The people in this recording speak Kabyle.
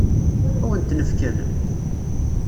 Ad wen-tent-fken?